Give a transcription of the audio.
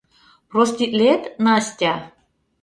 Проститлет, Настя?